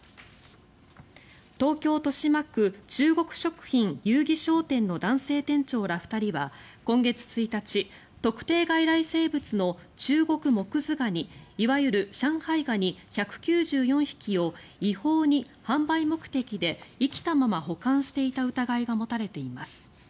東京・豊島区中国食品友誼商店の男性店長ら２人は今月１日、特定外来生物のチュウゴクモクズガニいわゆる上海ガニ１９４匹を違法に販売目的で生きたまま保管していた疑いが持たれています。